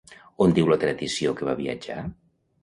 On diu la tradició que va viatjar?